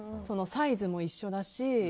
サイズも一緒だし。